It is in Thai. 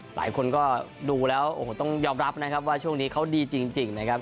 หลายคนก็ดูแล้วต้องยอมรับนะครับว่าช่วงนี้เขาดีจริง